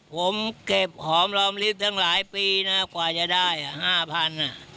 ผมเก็บหอมรอมลิฟต์ตั้งหลายปีนะกว่าจะได้๕๐๐บาท